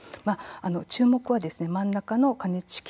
注目は真ん中の加熱式